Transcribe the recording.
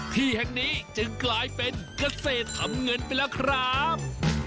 ที่แห่งนี้จึงกลายเป็นเกษตรทำเงินไปแล้วครับ